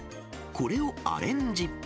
これをアレンジ。